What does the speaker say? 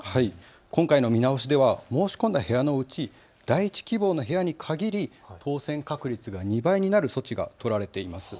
今回の見直しでは申し込んだ部屋のうち第１希望の部屋に限り当せん確率が２倍になる措置が取られています。